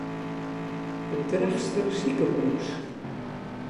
It Drachtster sikehûs.